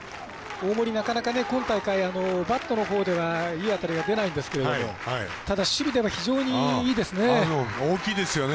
大森、なかなか今大会バットのほうではいい当たりは出ないんですけどただ、守備では非常にいいですね。